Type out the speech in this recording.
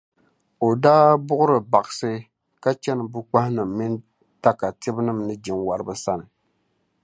o daa buɣiri baɣisi, ka chani bukpahinim’ mini takatibinim’ ni jinwariba sani.